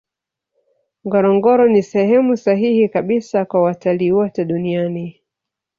ngorongoro ni sehemu sahihi kabisa kwa watalii wote dunian